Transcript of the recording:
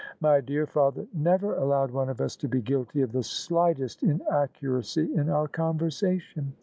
My dear father never allowed one of us to be guilty of the slightest inaccuracy in our conversation.